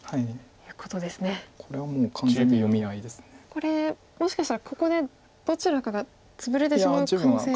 これもしかしたらここでどちらかがツブれてしまう可能性。